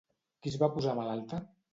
Qui es va posar malalta?